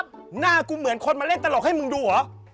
หน้ากูเหมือนคนมาเล่นตลกให้มึงดูเหรอ